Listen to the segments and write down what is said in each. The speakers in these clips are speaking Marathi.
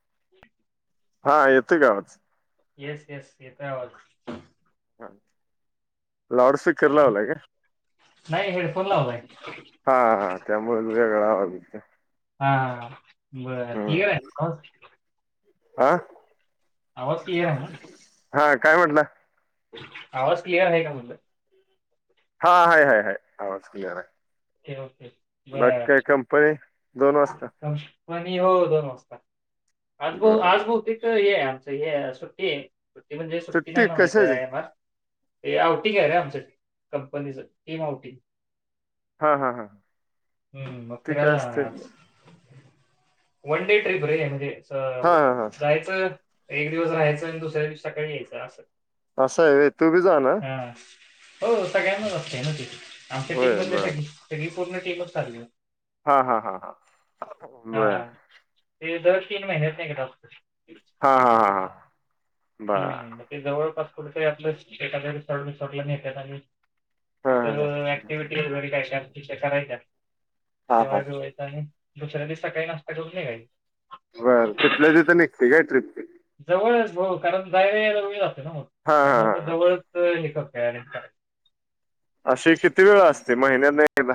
ह हा येतोय गावात येस येस येतय आवाज. हा लाॉडसकरलावला का? नाही हेडफोन लावलाय. हा हा त्यामुळे तुझ्याकडे आवाज इतकाय. हा हा बरं ठीक आहे ना. आह? आवाज क्लियर आहे ना? काय म्हटलं? आवाज क्लिअर आहे का म्हणलं? हा हाय हय हय आवाज क्लिअर आहे. Okay okay. बाकी बर काय कंपनी दोन वाजत? प हो दोन वाजता आजभ बरोबर आजभो तथ हे आमचं हे सुट्टी. सुट्टी म्हणजे सुट्टी नाही ना माहित आहे येणार. ते आवटी का आहे रे आमच्या. कंपनीच टीमआउटिंग. हा हा हा [inaudible] हम्म मग ती काय फिरायला असते? जाणाऱ्या आज. वन डे ट्र्रीप रे म्हणजे हा हा हा जायचं. एक दिवस राहायचं आणि दुसऱ्या दिवशी सकाळी यायचं असं. असं आहे तू बी जा नार? हा हो सगळ्यांनाच असते ना तिथ आमच्या टीम होय मधले बर सगळी सगळी पूर्ण टीमच चाली. हा हा हा हा हा बरं. ते दर तीन महिन्यात न एकदा होते. हा हा हा हा. बर हम् ते जवळपास कुठेतरी आपल्या शेतातल्या रिसॉर्ट बिसॉट नेतात आणि हा हा तिथं ऍक्टिव्हटी वगैरे काही [unintelligible] करायच्या. हा हा जेवाय बी व्हायचं आणि दुसऱ्या दिवशी सकाळी नाश्ता करून निघायचं. बर तिथल्या तिथं निघते काय ट्रीप ती? जवळच हो. कारण जायला यायला वेळ लागतो ना मग. हा हा त्यामुळे हा मग हा जवळच हे करत हर का. अशी किती वेळ असते महिन्यात न एकदा?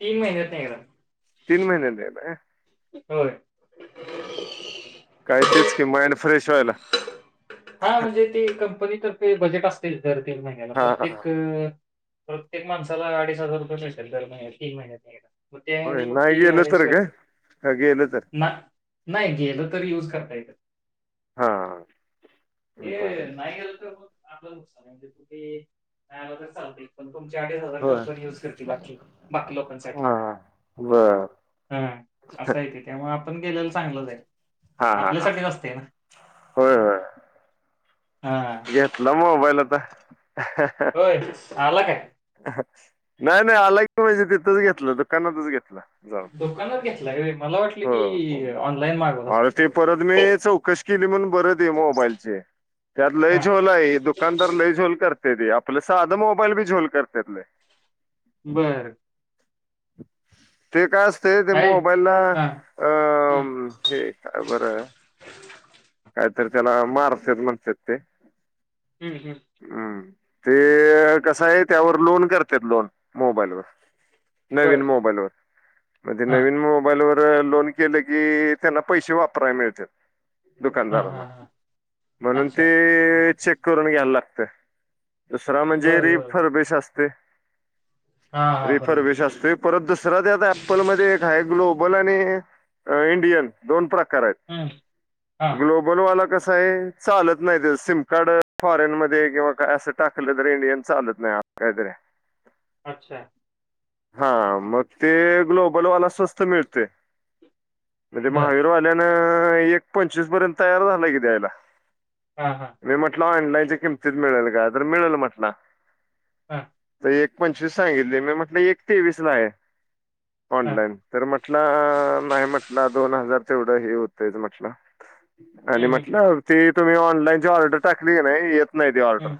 तीन महिन्यात न एकदा. तीन महिन्या तन एकदा काय? हो. [inaudible] काही तीच की माइंड फ्रेश व्हायला. हा म्हणजे ते, कंपनीतर्फे बजेट असते. दर तीन महिन्याला हा हा हा प्रत्येक प्रत्येक माणसाला अडीच हजार रुपये मिळता दर महिन्या तीन महिन्यातन एकदा. मग ते होय आणि मग नाही ती गेलं अरेंज तर काय करते हा गेलं तर ना नाही गेलं तरी युज करता येत. हा. बर हे नाही गेलं तर मग आपलंक नुकसाने म्हणजे कुठे नाही आला तर चालत पण तुमची अडीच हजार होय हा कंपनी युज करते. बाकी बाकी लोकांसाठी. बर हा असंयते. त्यामुळ आपण गेलेला चांगलं जाईल हा हा हा आपल्यासाठी नसते ना? होय हो. हा घेतलं मोबाईल आता. होय आला काय? नाही नाही आला की माहिजे तिथंच घेतलं दुकानातच घेतलं. दुकानाच घेतला आहे. मला वाटलं की ऑनलाईन मागवलं अस काय? िली म्हणून बरत आहे. मोबाईलचे त्यात लय हा झोल आहे दुकानदार लय झोल कर आपलं साधं मोबाईल बी झोल करत्यात ले. बरं ते काय अस ते ते काय मोबाईल ना हा अ हम्म हे काय बरं काहीतरी त्याला मारतेत म्हणतात ते हम्म हम्म ते कस आहे त्यावर लोन करत लोन मोबाईलवर बर नवीन मोबाईलवर म्हणजे हा नवीन मोबाईलवर लोन केलं की त्यांना पैसे वापरायला मिळते हा दुकानदारांना हा हा म्हणून अच्छा. ते चेक करून घ्यायला लागते दुसरा म्हणजे बरं, रि बरं, बरं. फरवेेश असते हां, हां. बरोबर. रिफरविश असतोय परत दुसरा त्यात ॲपलमध्ये एक हाय ग्लो फुटबॉल आणि इंडियन दोन प्रकार हम् ग्लोबल कसय चालत नाही सिम कार्ड फॉरेन मध्ये किंवा अस टाकलं इंडियन चाल नाही अच्छा हा मग ते ग्लोबलवाला स्वस्त मिळते म्हणजे बरं. महावीर वाल्यान एक पंचवीस पर्यंत तयार झालाय कि द्यायला हां, हां. मी म्हटलं ऑनलाईनच्या किमतीत मिळेल का तर मिळेल म्हटलं हा एक पंचवीस सांगितली मी म्हटलं एक तेवीस ला आहे हां. ऑनलाईन तर म्हटलं नाही म्हटलं दोन हजार तेवढं हे होतय म्हटलं आणि हं, हं, हं. म्हटलं ती तुम्ही ऑनलाईनची ऑर्डर टाकली नाही नाही त ऑर्डर हं.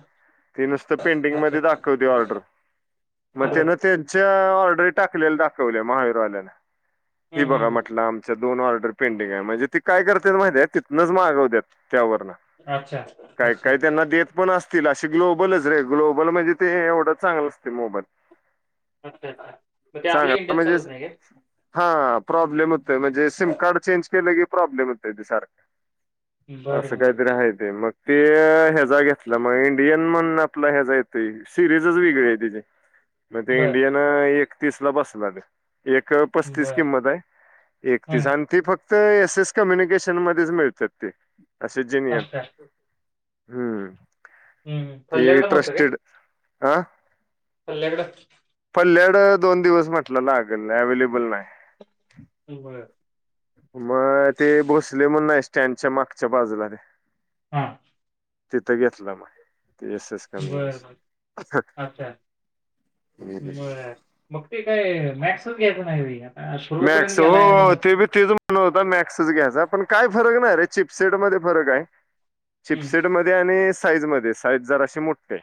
ती नुसत पेंटिंग अच्छा. मध्ये दाखवते ऑर्डर मग बरं. त्याने त्यांच्या ऑर्डर टाकलेल्या दाखवल्या महावीरवाल्याने हे हं, हं, बघा हं. म्हटलं दोन ऑर्डर पेंडिंग आहे म्हणजे ती काय करतात माहिती तेथून मागवतात त्यावर अच्छा. काय अच्छा. काही त्यांना देत पण असतील असे ग्लोबलच रे ग्लोबल म्हणजे ते एवढं चांगलं असते मोबाईल अच् मग ते आपले चांगला इंडियात म्हणजे चालत नाही का हा प्रॉब्लेम होत म्हणजे सिम कार्ड चेंज केलं की प्रॉब्लेम होत ते सारखं बरं, असं बरं, काही बरं. तरी आहे ते मग ते ह्याचा घेतला मग इंडियन म्हणून आपला ह्याचा येतो सिरीजच वेगळी आहे त मग ते बरं, इंडियान एकतीस ला बसलंले एक पस्तीस बरं. किंमत आहे हं. एकतीस आणि ती फक्त एस एस कम्युनिकेशन मध्ये मिळतात ते असे जिनियन् अच्छा. हं, हं. ते पल्ल्याकडं नव्हतं ट्रस्टिड काय? हं पल्ल्याकडं पल्याड दोन दिवस म्हटल लागेल अवेलेबल नाही ह बर मग ते बसले म्हण नाही स्टँडच्या मागच्या बाजूला ते हा तिथं घेतला मग एस एस कमी बरं, बरं. अच्छा. मग ते काय मॅक्सच घ्यायच नाही आता पूर्वपर्यंत मॅक्स गेलाय आणि हो ते तेच म्हण होता मॅक्सच घ्यायचा पण काय फरक नाही रे चिप्सैड मधे फरक आहे हं. चिप्सैड आणि साईज मध्ये साईज जरा अशी मोठे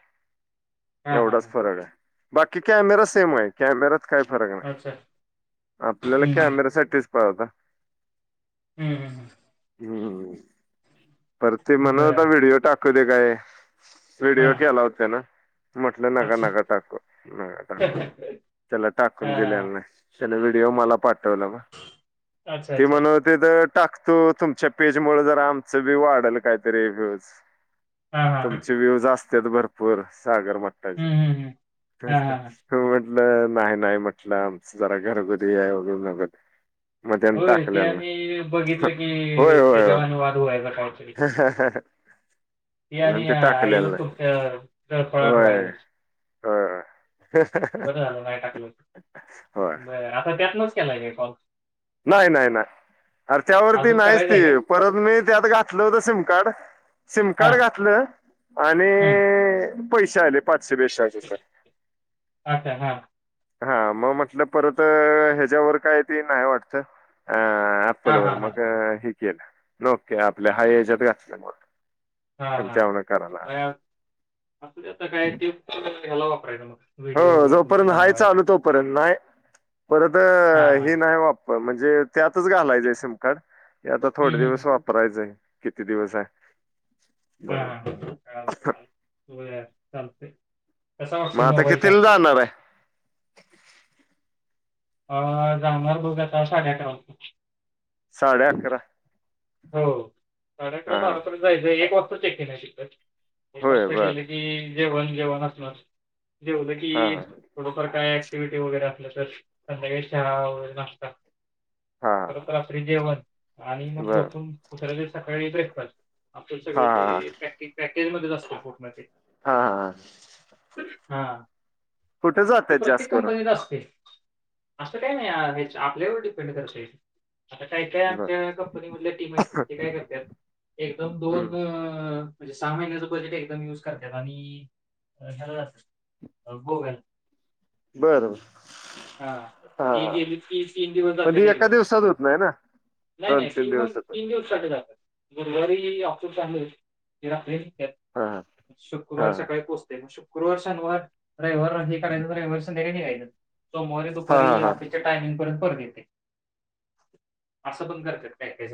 हां, हां, एवढाच हां. फरक आहे बाकी कॅमेरा सेम आहे कॅमेरात काय फरक अच्छा. नाही आपल्याला हं, कॅमेरासाठी पाहिजे होता हम्म हम् हम हम्म पर ते हं. म्हणता बरं. व्हिडीिओ टाकव दे काय व्हिडओ हां, कला होते ना म्हटलं नका अच्छा. नका टाकू नका टाकू हां, त्याला टाकून दिले हां. ड म पाठव अच्छा, अच्छा. टाकतो तुमच्या पेज मु जर आमच व्ह्यू वाढल काहीतरी रिव्ह्यूज हां, हां. तुमचे व्ह्यूज असते भरपूर सागर हं, मट्टाचे हं, हं. हां, हां, हां. म्हटलं नाही नाही म्हटलं आमच जरा घरोघरी आहे वगैरेगर हो ते आमही बघितलं की होय होय होय त्याजवाने वाद व्हायच कातरी म्हण त ते आईल टाकलेलं नाही त फळ होय. वाल होय कस झालं का टाकलं होय बर आता त्यातनच केलाय कॉल नाही नाही नाही अरे त्यावरती अजून नाहीच करायचा ती आहे काय? परत मी ते आत घातलं होतं सिम कार्ड सिम कार्ड हां, घातलं आणि हं. पैसे आले पाच शुभेच्छाच स अच्छा, हां. हा मग म्हटलं परत ह्याच्यावर काय त नाही वाटत अ अप्पल हां, वर हां, हां. मग हे केलं नके आपल्या हा एजात गचल्या हा हा आता काय ते ह्याला वापरायचं हो व्हिडिओ वगैरे तुमचं जोपर्यंत हाय बनवायला. चालू तोपर्यंत नाही परत हां, हां. ह नाही वापर म्हणजे जे त्यातच घालायचंय सिम कार्ड हे आता हं, थोडे हं, दिवस हं. वापरायचंय किती दिवसा हा का का चू स्थलत त्याचावरट मग आता सिमबाईल कितीला कँकी जाणार आहे अ जाणार बघ आता साडे अकरा वाजे साडे अरकरा हो कार्यक्रम आलांत जायचं एक वाजता चेक के नाही शिक होय खूपस्त बर केलं की जेवण जेवणचलं े होत की हा हा थोडंफार काय क्टिव्हटी वगैरे असल्या तर संध्याकाळी शहळा व नाता हा परत हा रात्री जेवण आणि मग बर झोपून पुच सकाळी ब्रेकफास्ट आपण हा सगळं हा हा ते पॅके पॅकेजमध्येध्येच असत पोटण ते हा हा हा कुठे ते जातात जास्त प्रत्येक करून कंपनीला असते असं काही नाही आपल्यावर डिपेंड करत आता काय काय बर हम्म आमच्या कंपनीमधल्या टीम आहेत ना ते काय करत एकदम दोन म्हणजे सहा महिन्याच बजेट एकदम युज करतात आणि्याला जात अब ग बरोबर हा ग सी इ ब पण ती एका अप्याल दिवसात होत नाही ना नाही दोन नाही ती मग दिवसात तीन दिवस साठी जातात गुरुवारी ह ऑक्सफोर्ड चाल होली हा हा शुक्रवार सकाळी पोहचते गुरुवर्ष वर हे करायच वर्षय समोरे हा दुपारी हा हा ऑफिसच्या टायमिंगपर्यंत ेत असं बण करते पॅकेज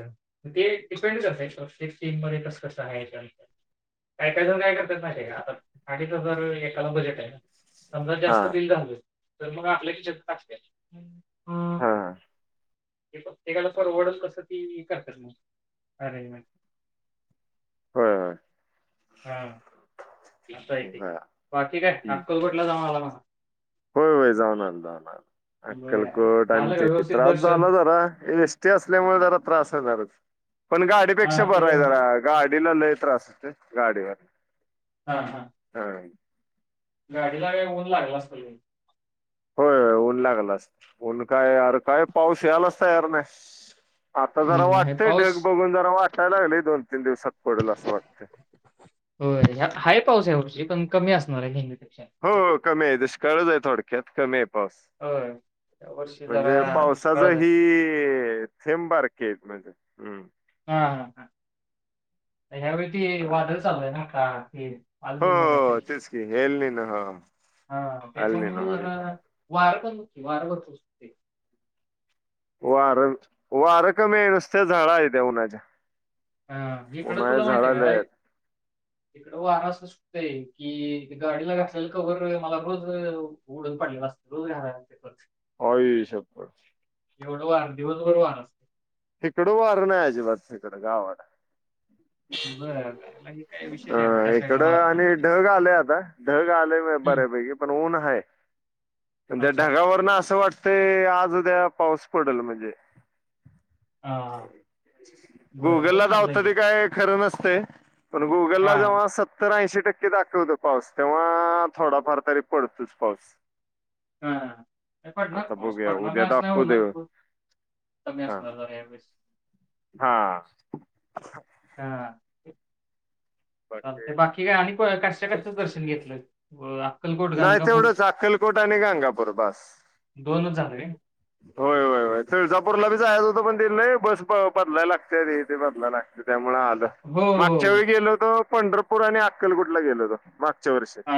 ते डिपेंड करतय प्रत्येक सीन मध्ये कसं कसं आहेयच काय कायच काय करतात नाही का आता आणिच जर एकाला बजेट आहे ना समजा हा जास्त दिल झाले तर मग आपल्या किा हा ते ते फॉरवर्डच कसं अरे हो ह हम अस आहे हा हम्म. बाकी काय अक्कलकोटला जाऊन आला मग होय होय जाऊन आलो जाऊन आलो बरं. अक्कलकोट अ झालं का ते व्यवस्थित त्रास दर्शन? झाला जरा एस टी असल्यामुळे जरा त्रास... पण गाडीपेक्षा हां ते बर जरा होणारच. गाडी... त अस गाडीवर हां, हां. हा... गाडीला का ऊन लागला असल म... होय ऊन लागला अस ऊन काय अर काय पाऊस याला असता यार नाही... आता जरा नाही वाटतय पाऊस ढग बघून जरा वाटायला लागले दोन तीन दिवसात पडेल असं वाटतंय.. हो हाय पाऊस आहे एवढा... कमी असणार आहे घे... हो हो कमी आहे दुष्काळच आहे थोडक्यात कमी आहे... पाउस होय. या वर्षी म्हणजे जरा पावसाच दुष्काळच ही आहे. थेंब बारक.... केमध्येध्ये हम्म... हा ह ह या्यावेळी त वादळ चालूय ना का... हो अल्निनो काहीतरी तेच की हेल् नन हा.. हा त्याच्यामुळ जरा वार पण नक्की वारगचचते वार वार कमी नुसते झळा आहे उन्हाचा... ह न हिकड तुला माहिते काय? इकडं वार असं सुटतय की गाडीला घातलेला कवर मला रोज उडून पड.. त ते.. ह सब... एवढं वार दिवसभर वार असते... तिकडं वार नाही अजिबात तिकड गावाला... बर करायला हे काय विशेष आहे का त्या अ इकड साईडला वारं नाही आणि ढग आलंय आता ढग आलेय हम्म. बरे.. वे पण ऊन आहेण त्या अच्छा ढगावर ना असं वाटत... ते आज उद्या पाऊस पडेल म्हणजे... हा बरं गुगल बघ ला चांगलं आहे दावतं ते की. काय खरं नसते... पण हा गुगलला जव्हा सत्तर ऐंशी... टक्के दाखवत पाऊस तेव्हा थोडाफार तरी पडतोच पाऊस... हा नाही पडणार आता पाऊस बघूया पडणार उद्या नाही असं नाही दाखवू दे होणार... तम्यास हा मेस.. हा... हा बाकी काय आणि कशाकशाच दर्शन घेतलं... अक्कलकोट नाही गणगापूर तेवढंच अक्कलकोट आणि गाणगापूर बास... दोनच झालं काय होय होय होय तुळजापूरला बी.... हो पण बस बदलाय लागते बदलायला लागते... आलं हो हो मागच्या वेळी हो. गेलोतो पंढरपूर आणि अक्कलकुटला गेलोत मा... मागच्या वर्ष... हा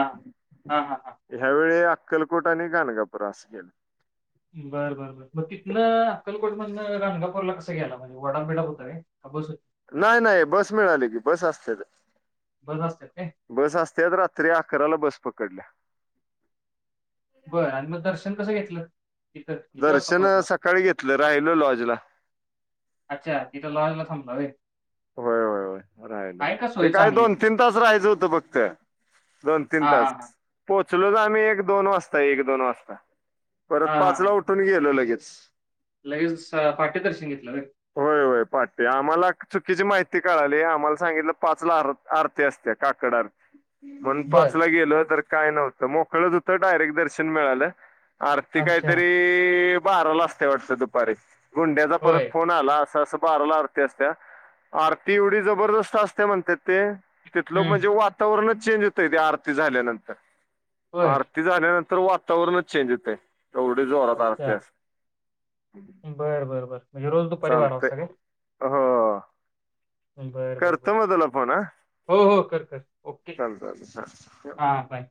हा हा हां... अक्कलकोटा आणि गाणगापूर अस केलं... बर बर बर मग तिथनं अक्कलकोट म्हण गानगापूरला कस गेला म्हणजे वडाप बिडाप होत काय.. नाही नाही बस मिळाली की बस असते ते... बस असतात काय बस असत्याच रात्री अकराला बस पकडल्या... बरं आणि मग दर्शन कसं घेतलं... तथ किती वाजता दर्शन पोहोचला सकाळी घेतलं राहिलो लॉजला अच्छा इथं लॉज ला थांबला व्हय... होय हो... राहिला ते काय चांगली दोन तिथं तीन तास राहायचं होतं फक्त दोन तीन हा हा तास हा पोच... पोचलो तर आम्ही एक दोन वाजता एक दोन वाजता परत हा हा पाचला हा. उठून गेलो लगेच... लगेच स- पाटी दर्शन घेतलं वे वाटते आम्हाला चुकीची माहिती कळाली आम्हाला... सांगितल पा आरती असत काकड आरण बर पाच गेल.. काय नव्हत मोकळच होतं डायरेक्ट दर्शन मिळालं आरती अच्छा काहीतरी बाराला असते वाटत दुपारी गुंड्याचा परत होय फोन आला अस बाराला आरती असत्या आरती एवढी जबरदस्त असत्या म्हणतात ते तिथलं हम्म म्हणजे वातावरणच चेंज होतय ते आरती झाल्यानंतर, होय आरती झाल्यानं तर वातावरणच चेंज होतय एवढे जोरात अच्छा आरतीअस बर बर बर म्हणजे रोज तो परिवार असत काय? हो बरं बरं करतो बरं म तुला फोन ह. हो हो करकर ओके हां ठेव हा बाय.